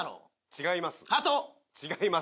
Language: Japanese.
違います。